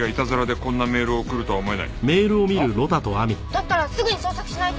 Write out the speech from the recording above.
だったらすぐに捜索しないと。